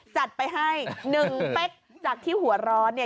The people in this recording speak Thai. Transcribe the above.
จัดไปให้๑เป๊กจากที่หัวร้อนเนี่ย